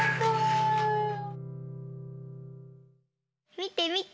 みてみて。